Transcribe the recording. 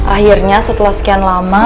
akhirnya setelah sekian lama